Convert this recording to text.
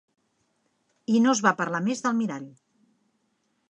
...i no es va parlar més del mirall.